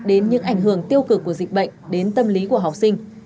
đến những ảnh hưởng tiêu cực của dịch bệnh đến tâm lý của học sinh